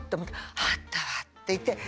あったわ！って言って。